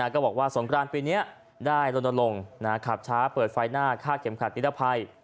ก็บอกว่าสงกรานปีนี้ได้ลนลงขับช้าเปิดไฟหน้าฆ่าเข็มขัดนิรภัย